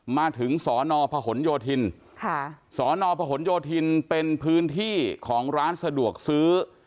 มาถึงสนพหนโยธินสนพหนโยธินเป็นพื้นที่ของร้านสะดวกซื้อ